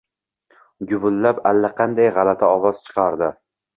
Gʻuvullab allaqanday gʻalati ovoz chiqardi